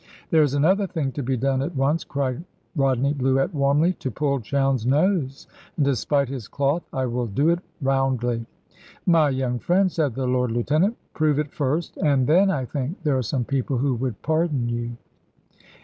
"There is another thing to be done at once," cried Rodney Bluett, warmly "to pull Chowne's nose. And despite his cloth, I will do it roundly." "My young friend," said the Lord Lieutenant; "prove it first. And then, I think, there are some people who would pardon you."